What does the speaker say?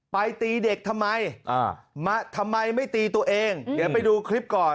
ตีเด็กทำไมทำไมไม่ตีตัวเองเดี๋ยวไปดูคลิปก่อน